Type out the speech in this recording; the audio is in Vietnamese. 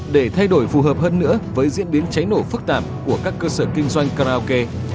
để thay đổi phù hợp hơn nữa với diễn biến cháy nổ phức tạp của các cơ sở kinh doanh karaoke